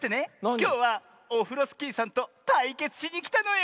きょうはオフロスキーさんとたいけつしにきたのよ！